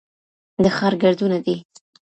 د ښار ګردونه دي